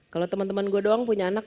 kalau temen temen gue doang punya anak